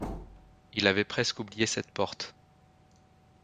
Il avait presque oublié cette porte.